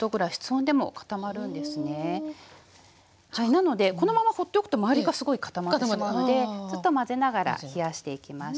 なのでこのまま放っておくとまわりがすごい固まってしまうのでずっと混ぜながら冷やしていきましょう。